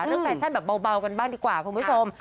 แฟชั่นแบบเบากันบ้างดีกว่าคุณผู้ชม